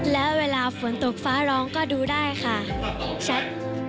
แล้วเวลาฝนตกฟ้าร้องก็ดูได้ค่ะชัด